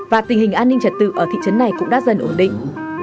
và tình hình an ninh trật tự ở thị trấn này cũng đã dần ổn định